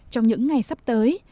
trong những ngày sắp tới